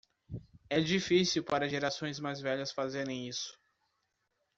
É difícil para as gerações mais velhas fazerem isso